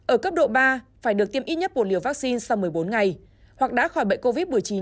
ở cấp độ ba phải được tiêm ít nhất một liều vaccine sau một mươi bốn ngày hoặc đã khỏi bệnh covid một mươi chín trong vòng sáu tháng